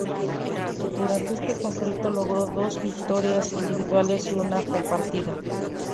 Durante este conflicto logró dos victorias individuales y una compartida.